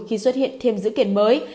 khi xuất hiện thêm dữ kiện mới